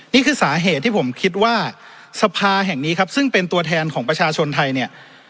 นี่คือสาเหตุที่ผมคิดว่าสภาแห่งนี้ครับซึ่งเป็นตัวแทนของประชาชนไทยเนี่ย